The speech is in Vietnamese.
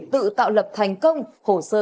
tự tạo lập thành công hồ sơ